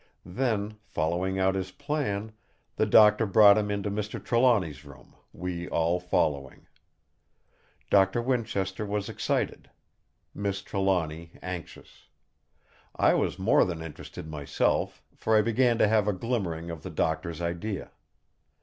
Then, following out his plan, the Doctor brought him into Mr. Trelawny's room, we all following. Doctor Winchester was excited; Miss Trelawny anxious. I was more than interested myself, for I began to have a glimmering of the Doctor's idea.